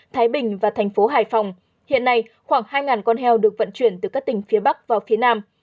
thái bình và tp hcm hiện nay khoảng hai con heo được vận chuyển từ các tỉnh phía bắc vào phía nam